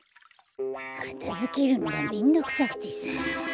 かたづけるのがめんどくさくてさ。